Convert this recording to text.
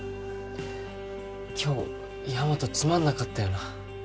今日ヤマトつまんなかったよな